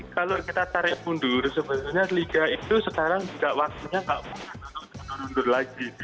kalau kita tarik mundur sebenarnya liga itu sekarang juga waktunya nggak perlu turun turun lagi